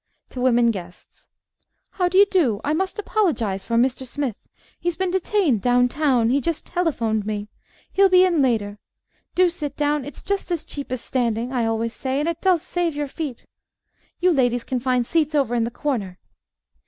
(To women guests.) How d'ye do? I must apologize for Mr. Smythe he's been detained down town. He just telephoned me. He'll be in later. Do sit down; it's just as cheap as standing, I always say, and it does save your feet. You ladies can find seats over in the corner.